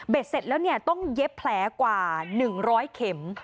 เสร็จแล้วต้องเย็บแผลกว่า๑๐๐เข็ม